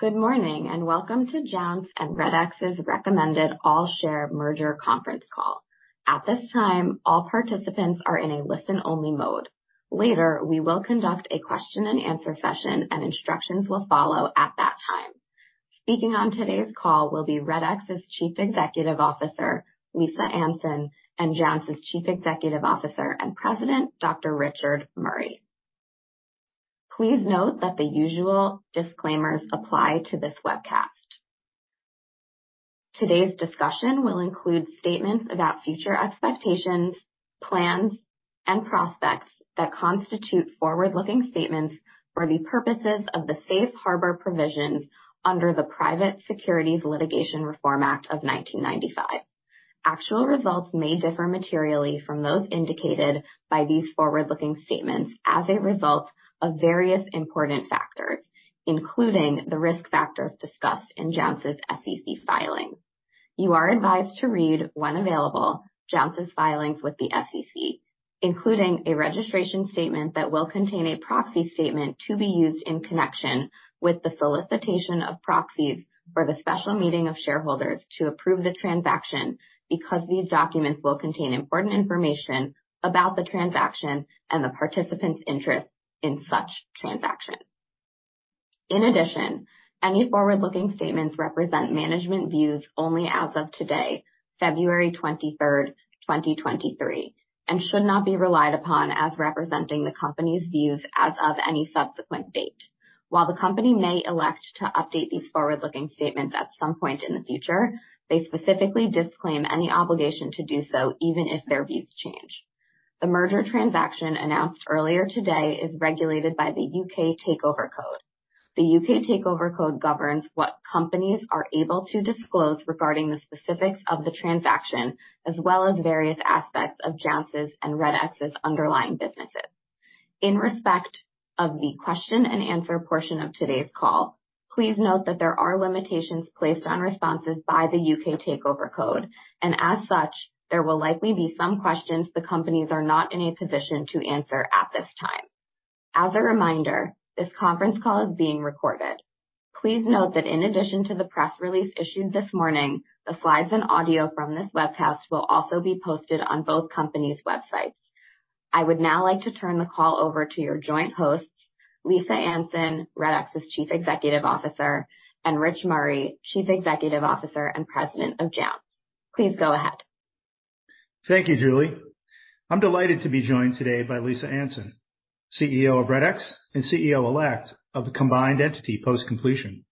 Good morning, and welcome to Jounce and Redx's recommended all share merger conference call. At this time, all participants are in a listen-only mode. Later, we will conduct a question and answer session and instructions will follow at that time. Speaking on today's call will be Redx's Chief Executive Officer, Lisa Anson, and Jounce's Chief Executive Officer and President, Dr. Richard Murray. Please note that the usual disclaimers apply to this webcast. Today's discussion will include statements about future expectations, plans, and prospects that constitute forward-looking statements for the purposes of the Safe Harbor Provisions under the Private Securities Litigation Reform Act of 1995. Actual results may differ materially from those indicated by these forward-looking statements as a result of various important factors, including the risk factors discussed in Jounce's SEC filing. You are advised to read, when available, Jounce's filings with the SEC, including a registration statement that will contain a proxy statement to be used in connection with the solicitation of proxies for the special meeting of shareholders to approve the transaction because these documents will contain important information about the transaction and the participants' interest in such transaction. In addition, any forward-looking statements represent management views only as of today, February twenty-third, 2023, and should not be relied upon as representing the company's views as of any subsequent date. While the company may elect to update these forward-looking statements at some point in the future, they specifically disclaim any obligation to do so even if their views change. The merger transaction announced earlier today is regulated by the UK Takeover Code. The UK Takeover Code governs what companies are able to disclose regarding the specifics of the transaction, as well as various aspects of Jounce's and Redx's underlying businesses. In respect of the question and answer portion of today's call, please note that there are limitations placed on responses by the UK Takeover Code, and as such, there will likely be some questions the companies are not in a position to answer at this time. As a reminder, this conference call is being recorded. Please note that in addition to the press release issued this morning, the slides and audio from this webcast will also be posted on both companies' websites. I would now like to turn the call over to your joint hosts, Lisa Anson, Redx's Chief Executive Officer, and Rich Murray, Chief Executive Officer and President of Jounce. Please go ahead. Thank you, Julie. I'm delighted to be joined today by Lisa Anson, CEO of Redx and CEO-elect of the combined entity post-completion.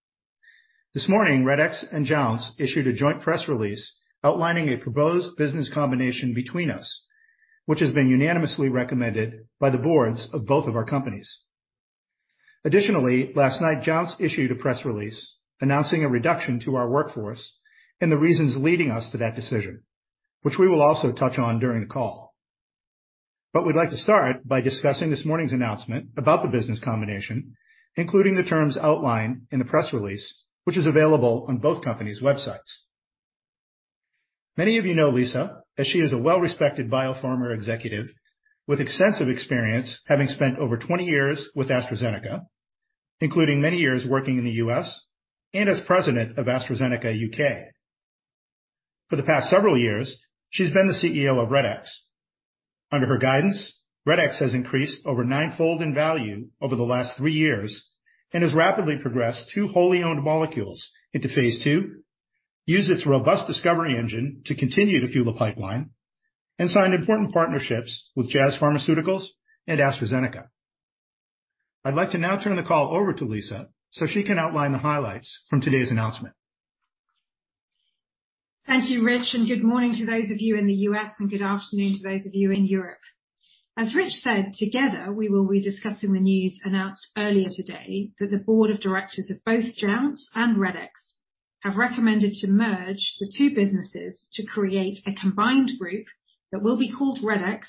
This morning, Redx and Jounce issued a joint press release outlining a proposed business combination between us, which has been unanimously recommended by the boards of both of our companies. Additionally, last night, Jounce issued a press release announcing a reduction to our workforce and the reasons leading us to that decision, which we will also touch on during the call. We'd like to start by discussing this morning's announcement about the business combination, including the terms outlined in the press release, which is available on both companies' websites. Many of you know Lisa, as she is a well-respected biopharma executive with extensive experience, having spent over 20 years with AstraZeneca, including many years working in the U.S. and as President of AstraZeneca UK. For the past several years, she's been the CEO of Redx. Under her guidance, Redx has increased over nine-fold in value over the last three years and has rapidly progressed two wholly-owned molecules into Phase II, used its robust discovery engine to continue to fuel the pipeline and signed important partnerships with Jazz Pharmaceuticals and AstraZeneca. I'd like to now turn the call over to Lisa so she can outline the highlights from today's announcement. Thank you, Rich, and good morning to those of you in the U.S. and good afternoon to those of you in Europe. As Rich said, together, we will be discussing the news announced earlier today that the board of directors of both Jounce and Redx have recommended to merge the two businesses to create a combined group that will be called Redx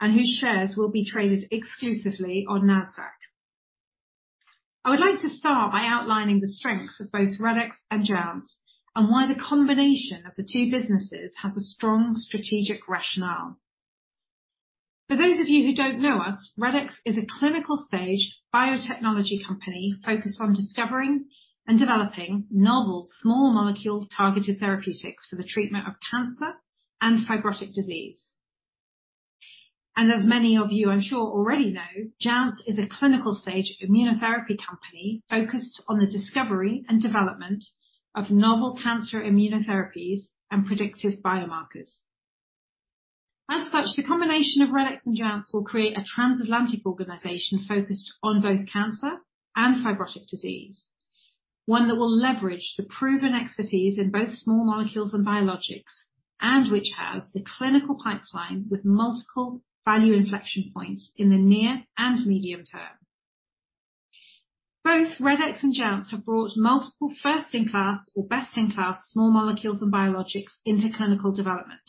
and whose shares will be traded exclusively on Nasdaq. I would like to start by outlining the strengths of both Redx and Jounce and why the combination of the two businesses has a strong strategic rationale. For those of you who don't know us, Redx is a clinical-stage biotechnology company focused on discovering and developing novel small molecule-targeted therapeutics for the treatment of cancer and fibrotic disease. As many of you I'm sure already know, Jounce is a clinical-stage immunotherapy company focused on the discovery and development of novel cancer immunotherapies and predictive biomarkers. As such, the combination of Redx and Jounce will create a transatlantic organization focused on both cancer and fibrotic disease, one that will leverage the proven expertise in both small molecules and biologics, and which has the clinical pipeline with multiple value inflection points in the near and medium term. Both Redx and Jounce have brought multiple first-in-class or best-in-class small molecules and biologics into clinical development.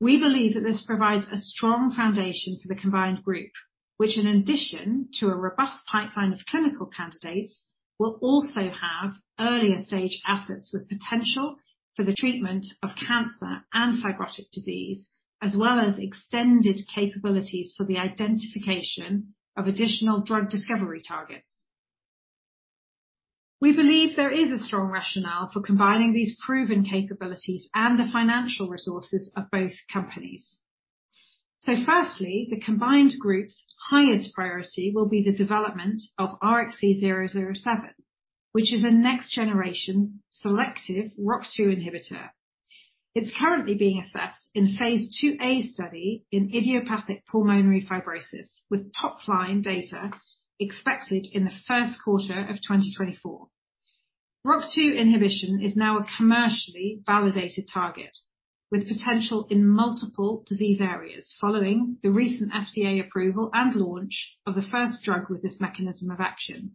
We believe that this provides a strong foundation for the combined group, which, in addition to a robust pipeline of clinical candidates, will also have earlier-stage assets with potential for the treatment of cancer and fibrotic disease, as well as extended capabilities for the identification of additional drug discovery targets. We believe there is a strong rationale for combining these proven capabilities and the financial resources of both companies. Firstly, the combined group's highest priority will be the development of RXC007, which is a next generation selective ROCK2 inhibitor. It's currently being assessed in Phase IIA study in idiopathic pulmonary fibrosis, with top-line data expected in the first quarter of 2024. ROCK2 inhibition is now a commercially validated target with potential in multiple disease areas following the recent FDA approval and launch of the first drug with this mechanism of action.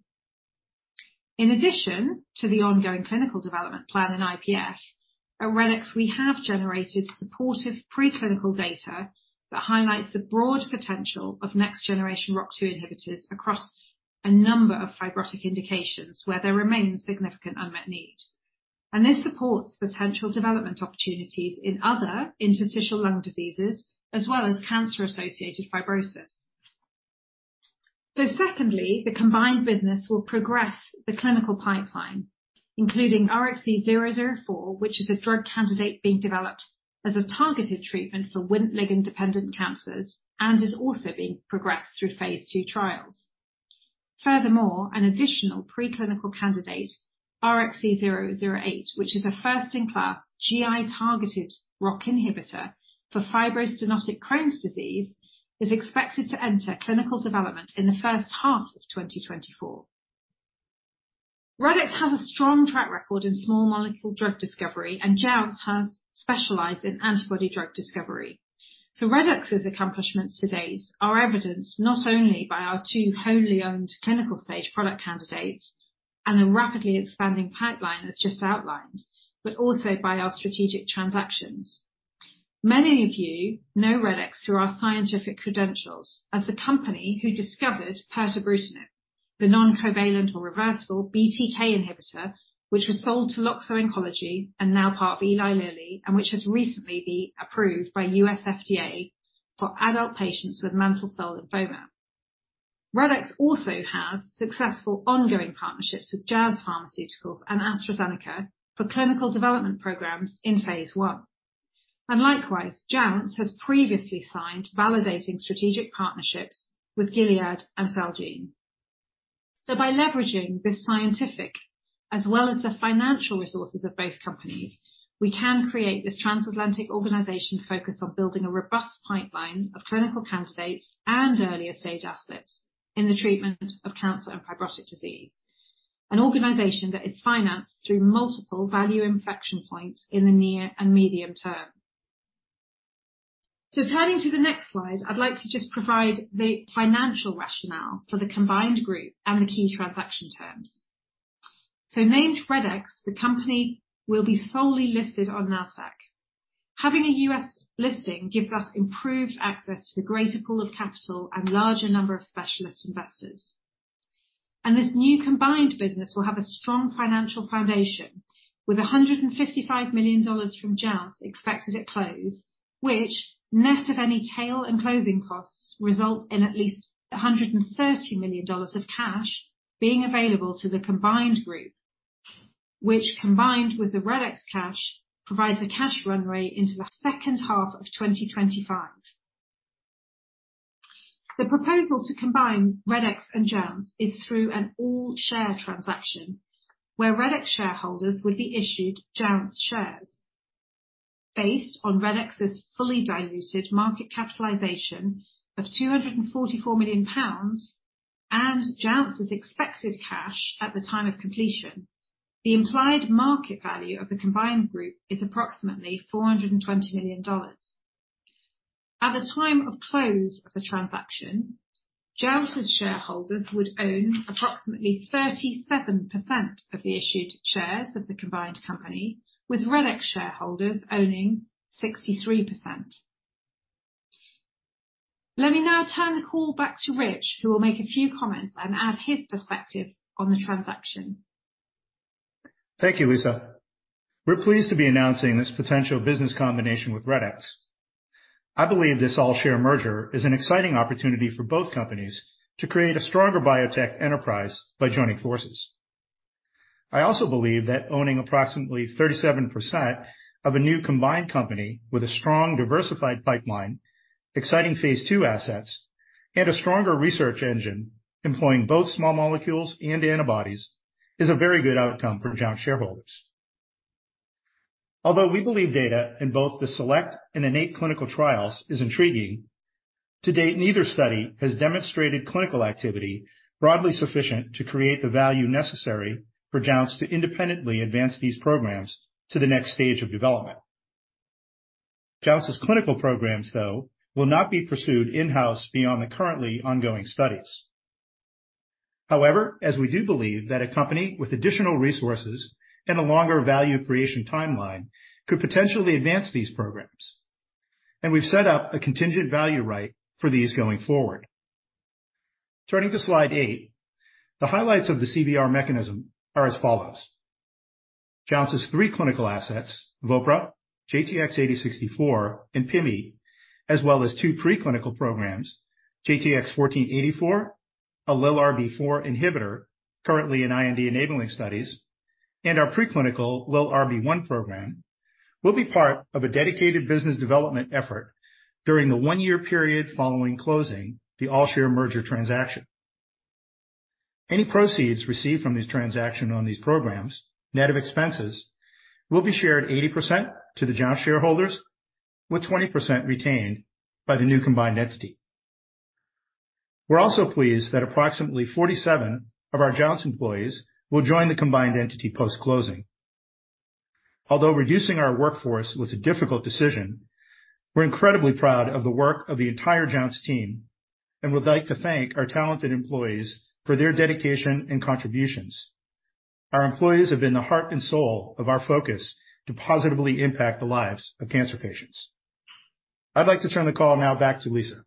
In addition to the ongoing clinical development plan in IPF, at Redx Pharma we have generated supportive preclinical data that highlights the broad potential of next generation ROCK2 inhibitors across a number of fibrotic indications where there remains significant unmet need. This supports potential development opportunities in other interstitial lung diseases, as well as cancer-associated fibrosis. Secondly, the combined business will progress the clinical pipeline, including RXC004, which is a drug candidate being developed as a targeted treatment for Wnt ligand-dependent cancers and is also being progressed through Phase II trials. Furthermore, an additional preclinical candidate, RXC008, which is a first-in-class GI targeted ROCK inhibitor for fibrostenotic Crohn's disease, is expected to enter clinical development in the first half of 2024. Redx Pharma has a strong track record in small molecule drug discovery, and Jounce Therapeutics has specialized in antibody drug discovery. Redx's accomplishments to date are evidenced not only by our two wholly owned clinical-stage product candidates and the rapidly expanding pipeline as just outlined, but also by our strategic transactions. Many of you know Redx through our scientific credentials as the company who discovered pirtobrutinib, the non-covalent or reversible BTK inhibitor, which was sold to Loxo Oncology and now part of Eli Lilly, and which has recently been approved by U.S. FDA for adult patients with mantle cell lymphoma. Redx also has successful ongoing partnerships with Jazz Pharmaceuticals and AstraZeneca for clinical development programs in Phase I. Likewise, Jounce has previously signed validating strategic partnerships with Gilead and Celgene. By leveraging this scientific as well as the financial resources of both companies, we can create this transatlantic organization focused on building a robust pipeline of clinical candidates and earlier stage assets in the treatment of cancer and fibrotic disease. An organization that is financed through multiple value infection points in the near and medium term. Turning to the next slide, I'd like to just provide the financial rationale for the combined group and the key transaction terms. Named Redx, the company will be fully listed on Nasdaq. Having a U.S. listing gives us improved access to the greater pool of capital and larger number of specialist investors. This new combined business will have a strong financial foundation with $155 million from Jounce expected at close, which net of any tail and closing costs, result in at least $130 million of cash being available to the combined group. Combined with the Redx cash, provides a cash run rate into the second half of 2025. The proposal to combine Redx and Jounce is through an all-share transaction where Redx shareholders would be issued Jounce shares. Based on Redx's fully diluted market capitalization of GBP 244 million and Jounce's expected cash at the time of completion, the implied market value of the combined group is approximately $420 million. At the time of close of the transaction, Jounce's shareholders would own approximately 37% of the issued shares of the combined company, with Redx shareholders owning 63%. Let me now turn the call back to Rich, who will make a few comments and add his perspective on the transaction. Thank you, Lisa. We're pleased to be announcing this potential business combination with Redx. I believe this all-share merger is an exciting opportunity for both companies to create a stronger biotech enterprise by joining forces. I also believe that owning approximately 37% of a new combined company with a strong diversified pipeline, exciting Phase II assets, and a stronger research engine employing both small molecules and antibodies, is a very good outcome for Jounce shareholders. Although we believe data in both the SELECT and INNATE clinical trials is intriguing, to date, neither study has demonstrated clinical activity broadly sufficient to create the value necessary for Jounce to independently advance these programs to the next stage of development. Jounce's clinical programs, though, will not be pursued in-house beyond the currently ongoing studies. As we do believe that a company with additional resources and a longer value creation timeline could potentially advance these programs, and we've set up a contingent value right for these going forward. Turning to slide 8. The highlights of the CVR mechanism are as follows. Jounce's 3 clinical assets, Vopra, JTX-8064, and PIMI, as well as 2 pre-clinical programs, JTX-1484, a LILRB4 inhibitor, currently in IND-enabling studies, and our pre-clinical LILRB1 program, will be part of a dedicated business development effort during the 1-year period following closing the all-share merger transaction. Any proceeds received from this transaction on these programs, net of expenses, will be shared 80% to the Jounce shareholders with 20% retained by the new combined entity. We're also pleased that approximately 47 of our Jounce employees will join the combined entity post-closing. Although reducing our workforce was a difficult decision, we're incredibly proud of the work of the entire Jounce team and would like to thank our talented employees for their dedication and contributions. Our employees have been the heart and soul of our focus to positively impact the lives of cancer patients. I'd like to turn the call now back to Lisa.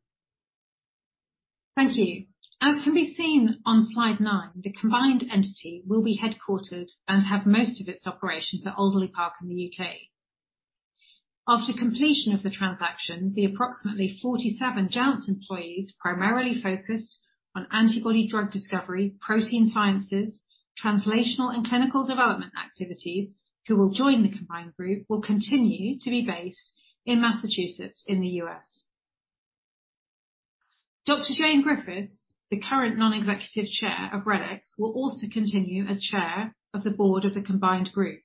Thank you. As can be seen on slide 9, the combined entity will be headquartered and have most of its operations at Alderley Park in the U.K. After completion of the transaction, the approximately 47 Jounce employees primarily focused on antibody drug discovery, protein sciences, translational and clinical development activities who will join the combined group will continue to be based in Massachusetts in the U.S. Dr. Jane Griffiths, the current Non-Executive Chair of Redx, will also continue as Chair of the Board of the combined group.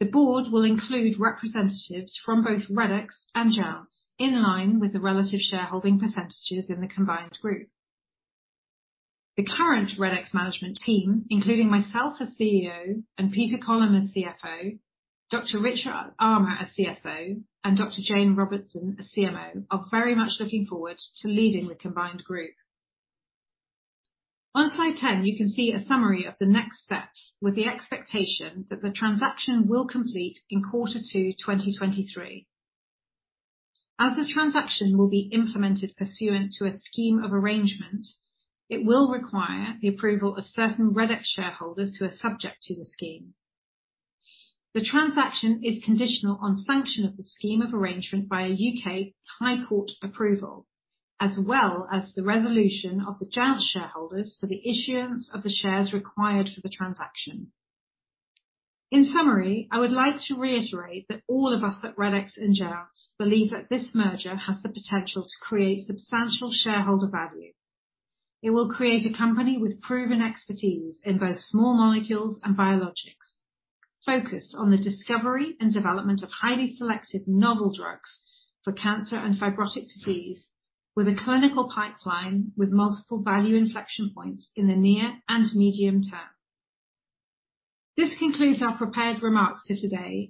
The board will include representatives from both Redx and Jounce, in line with the relative shareholding percentages in the combined group. The current Redx management team, including myself as CEO and Peter Collum as CFO, Dr. Richard Armer as CSO, and Dr. Jane Robertson as CMO, are very much looking forward to leading the combined group. On slide 10, you can see a summary of the next steps with the expectation that the transaction will complete in quarter two, 2023. As the transaction will be implemented pursuant to a scheme of arrangement, it will require the approval of certain Redx shareholders who are subject to the scheme. The transaction is conditional on sanction of the scheme of arrangement by a UK High Court approval, as well as the resolution of the Jounce shareholders for the issuance of the shares required for the transaction. In summary, I would like to reiterate that all of us at Redx and Jounce believe that this merger has the potential to create substantial shareholder value. It will create a company with proven expertise in both small molecules and biologics, focused on the discovery and development of highly selective novel drugs for cancer and fibrotic disease, with a clinical pipeline with multiple value inflection points in the near and medium term. This concludes our prepared remarks for today.